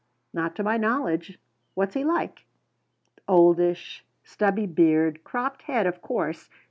"Not to my knowledge. What's he like?" "Oldish. Stubby beard. Cropped head, of course.